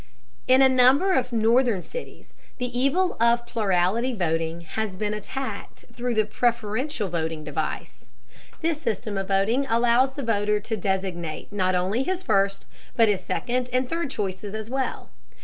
In a number of northern cities, the evil of plurality voting has been attacked through the preferential voting device. This system of voting allows the voter to designate not only his first, but his second and third choices as well.